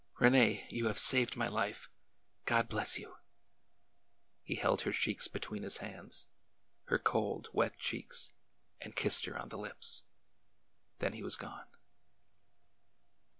'' Rene, you have saved my life ! God bless you ! He held her cheeks between his hands — her cold, wet cheeks, — and kissed her on the lips. Then he was gone.